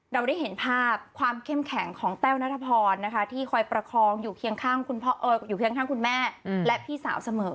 เราได้เห็นภาพความเข้มแข็งของแต้วนัทพรนะคะที่คอยประคองอยู่เคียงอยู่เคียงข้างคุณแม่และพี่สาวเสมอ